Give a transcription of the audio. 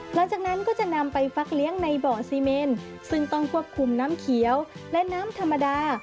หลังจากนั้นก็จะนำไปฟักเลี้ยงในบ่อซีเมนซึ่งต้องควบคุมน้ำเขียวและน้ำธรรมดา